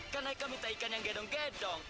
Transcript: kan eka minta ikan yang gedong gedong